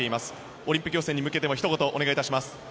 オリンピック予選に向けてはひと言お願いします。